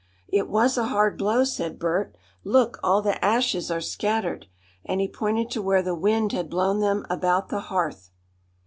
"It was a hard blow," said Bert "Look, all the ashes are scattered," and he pointed to where the wind had blown them about the hearth.